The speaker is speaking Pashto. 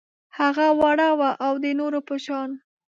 هغه وړه وه او د نورو په شان